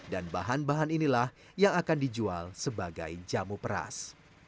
dan bahan bahan inilah yang akan dijual sebagai jamu peras